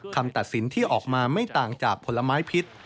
คำตัดสินที่ออกมาไม่ต่างจากผลไม้พิษ